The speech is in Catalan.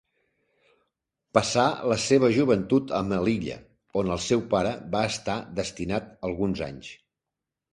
Passà la seva joventut a Melilla, on el seu pare va estar destinat alguns anys.